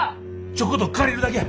ちょっこと借りるだけや。